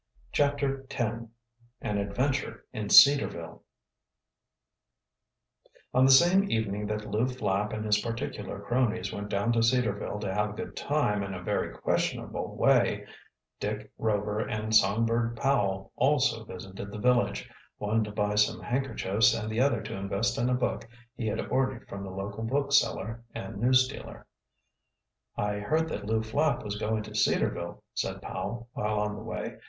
CHAPTER X AN ADVENTURE IN CEDARVILLE On the same evening that Lew Flapp and his particular cronies went down to Cedarville to have a good time in a very questionable way, Dick Rover and Songbird Powell also visited the village, one to buy some handkerchiefs, and the other to invest in a book he had ordered from the local bookseller and newsdealer. "I heard that Lew Flapp was going to Cedarville," said Powell, while on the way.